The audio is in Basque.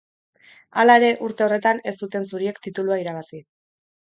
Hala ere, urte horretan ez zuten zuriek titulua irabazi.